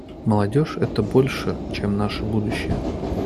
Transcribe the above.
Молодежь — это больше, чем наше будущее.